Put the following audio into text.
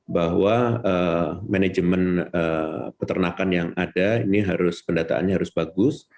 bahwa manajemen peternakan yang ada pendataannya harus bagus